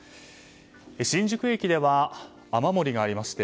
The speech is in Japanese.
新宿駅では雨漏りがありました。